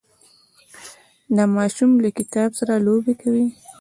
دا ماشوم له کتاب سره لوبې کوي.